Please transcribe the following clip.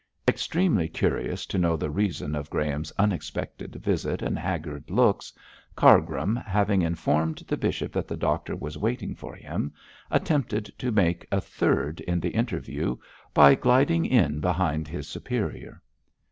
Extremely curious to know the reason of Graham's unexpected visit and haggard looks, Cargrim, having informed the bishop that the doctor was waiting for him, attempted to make a third in the interview by gliding in behind his superior.